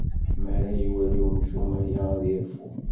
Mi ara iwali umcum aya, ad irfu.